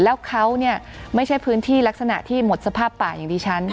แล้วเขาไม่ใช่พื้นที่ลักษณะที่หมดสภาพป่าอย่างดิฉัน